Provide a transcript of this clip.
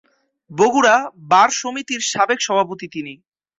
Bogura bar সমিতির সাবেক সভাপতি তিনি।